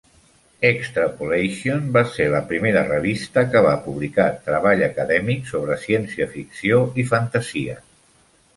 "Extrapolation" va ser la primera revista que va publicar treball acadèmic sobre ciència ficció i fantasia.